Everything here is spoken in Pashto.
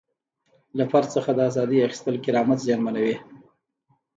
له فرد څخه د ازادۍ اخیستل کرامت زیانمنوي.